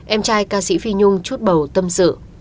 em trai ca sĩ phi nhung chút bầu tâm sự